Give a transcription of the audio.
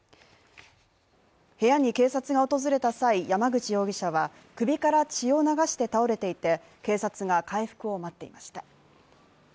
部屋に警察が訪れた際、山口容疑者は首から血を流して倒れていて、警察が回復を待っていました。